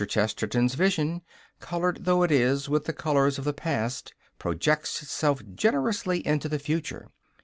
Chesterton's vision, coloured though it is with the colours of the past, projects itself generously into the future.